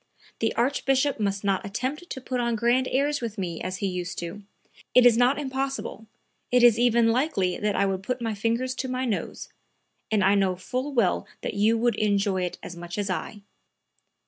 The Archbishop must not attempt to put on grand airs with me as he used to; it is not impossible, it is even likely that I would put my fingers to my nose, and I know full well that you would enjoy it as much as I."